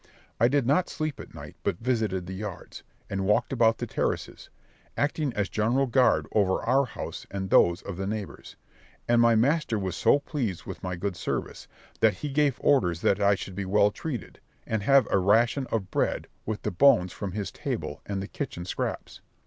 I did not sleep at night, but visited the yards, and walked about the terraces, acting as general guard over our own house and those of the neighbours; and my master was so pleased with my good service, that he gave orders I should be well treated, and have a ration of bread, with the bones from his table, and the kitchen scraps.